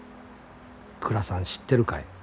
『倉さん知ってるかい？